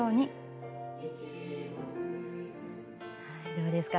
どうですか？